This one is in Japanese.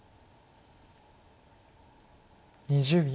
２０秒。